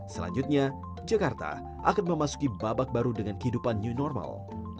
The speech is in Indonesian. selanjutnya jakarta akan memasuki babak baru dengan kehidupan new normal